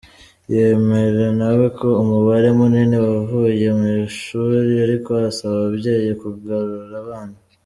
Yemera nawe ko umubare munini wavuye mu ishuli ariko asaba ababyeyi kugarura abana.